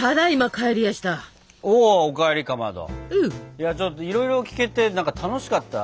いやちょっといろいろ聞けてなんか楽しかった。